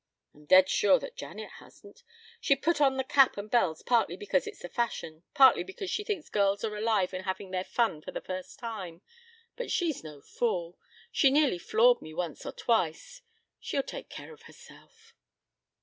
"I'm dead sure that Janet hasn't. She puts on the cap and bells partly because it's the fashion, partly because she thinks girls are alive and having their fun for the first time. But she's no fool. She nearly floored me once or twice. She'll take care of herself."